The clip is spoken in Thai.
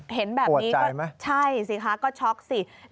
เห็นแบบนี้ก็ใช่สิคะก็ช็อคสิโปรดใจไหม